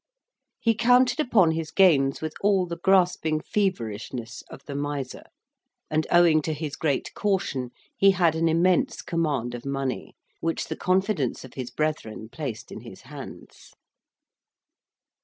He counted upon his gains with all the grasping feverishness of the miser; and owing to his great caution he had an immense command of money, which the confidence of his brethren placed in his hands.